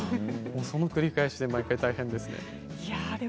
その繰り返しで毎回、大変ですね。